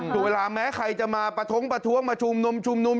เวลาแม้ใครจะมาประท้วงประท้วงมาชุมนุมชุมนุม